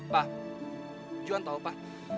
pa juhan tahu pa